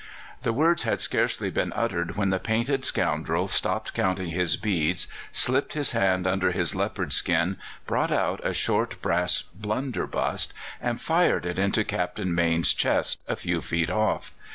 The words had scarcely been uttered when the painted scoundrel stopped counting his beads, slipped his hand under his leopard skin, brought out a short brass blunderbuss, and fired it into Captain Mayne's chest, a few feet off.